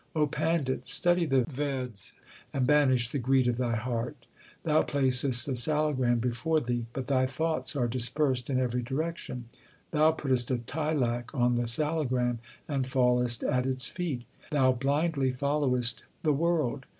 O Pandit, study the Veds And banish the greed of thy heart. Thou placest a salagram before thee, But thy thoughts are dispersed in every direction. Thou puttest a tilak on the salagram and fallest at its feet. Thou blindly folio west the world.